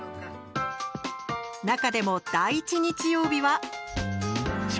中でも、第１日曜日は。